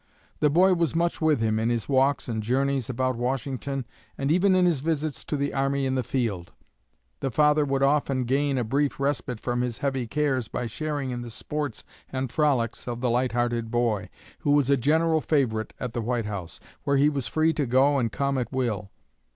The boy was much with him in his walks and journeys about Washington, and even in his visits to the army in the field. The father would often gain a brief respite from his heavy cares by sharing in the sports and frolics of the light hearted boy, who was a general favorite at the White House, where he was free to go and come at will.